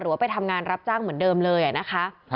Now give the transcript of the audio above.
ว่าไปทำงานรับจ้างเหมือนเดิมเลยนะคะ